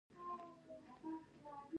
يوه زن او دوه زنې